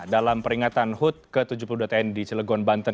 dalam peringatan hud ke tujuh puluh dua tni di cilegon banten